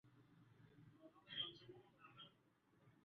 Nchini Brazil utumwa uliendelea mpaka mwishoni mwa karne ya kumi na tisa